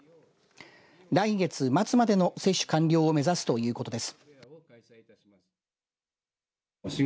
来月末までの接種完了を目指すということです。